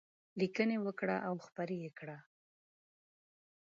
لیکنې وکړه او خپرې یې کړه.